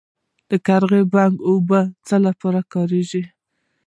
د قرغې بند اوبه د څه لپاره کارول کیږي؟